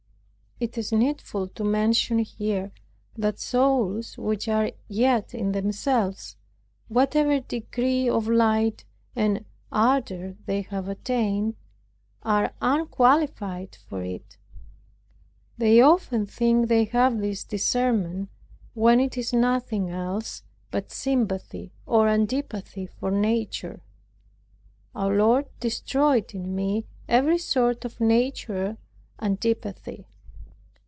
It is needful to mention here that souls which are yet in themselves, whatever degree of light and ardor they have attained, are unqualified for it. They often think they have this discernment, when it is nothing else but sympathy or antipathy of nature. Our Lord destroyed in me every sort of natural antipathy.